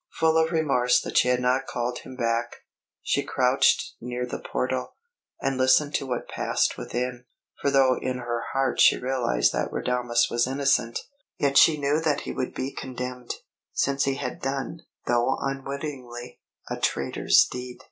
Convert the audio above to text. Full of remorse that she had not called him back, she crouched near the portal, and listened to what passed within; for though in her heart she realised that Radames was innocent, yet she knew that he would be condemned, since he had done, though unwittingly, a traitor's deed.